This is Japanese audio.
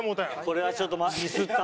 これはちょっとミスった。